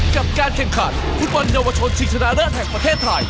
กับการแข่งขันฟุตบอลเยาวชนชิงชนะเลิศแห่งประเทศไทย